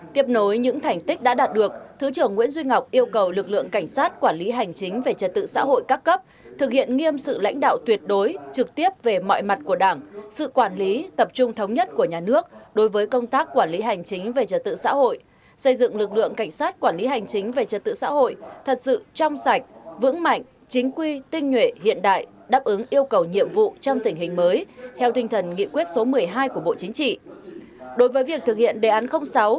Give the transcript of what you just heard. tiếp nối những thành tích đã đạt được thứ trưởng nguyễn duy ngọc yêu cầu lực lượng cảnh sát quản lý hành chính về trật tự xã hội các cấp thực hiện nghiêm sự lãnh đạo tuyệt đối trực tiếp về mọi mặt của đảng sự quản lý tập trung thống nhất của nhà nước đối với công tác quản lý hành chính về trật tự xã hội xây dựng lực lượng cảnh sát quản lý hành chính về trật tự xã hội thật sự trong sạch vững mạnh chính quy tinh nhuệ hiện đại đáp ứng yêu cầu nhiệm vụ trong tình hình mới theo tinh thần nghị quyết số một mươi hai của bộ chính trị